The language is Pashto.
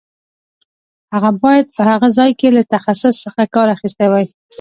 هغه باید په هغه ځای کې له تخصص څخه کار اخیستی وای.